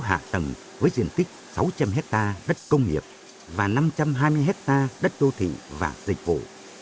hạ tầng với diện tích sáu trăm linh hectare đất công nghiệp và năm trăm hai mươi hectare đất đô thị và dịch vụ